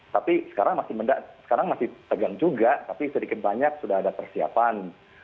tapi sekarang masih tegang juga tapi sedikit banyak sudah ada persiapan